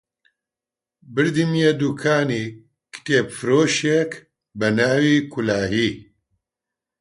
بردمیە دووکانی کتێبفرۆشێک بە ناوی کولاهی